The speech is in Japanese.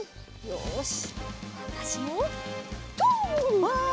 よしわたしもとうっ！